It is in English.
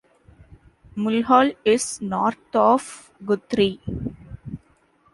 Mulhall is north of Guthrie.